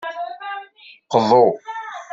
Qḍu.